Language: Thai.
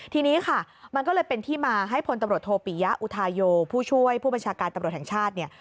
ทีนี้ค่ะมันก็เลยเป็นที่มาให้พลตำรวจโทปิยะอุทาโยผู้ช่วยผู้บัญชาการตำรวจแห่งชาติเนี่ย